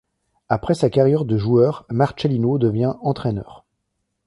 Après sa carrière de joueur, Marcelino devient entraîneur.